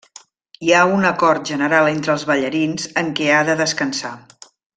Hi ha un acord general entre els ballarins en què ha de descansar.